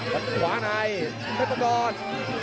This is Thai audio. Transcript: เว้นขวานายเพชรมองค์กร